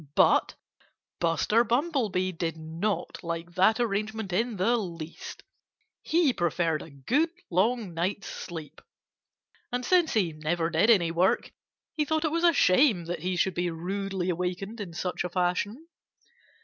But Buster Bumblebee did not like that arrangement in the least. He preferred a good, long night's sleep. And since he never did any work he thought it was a shame that he should be rudely awakened in such a fashion.